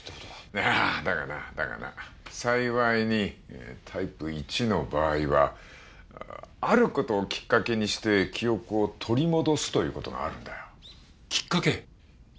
いやだがなだがな幸いにタイプ１の場合はある事をきっかけにして記憶を取り戻すという事があるんだよ。きっかけ？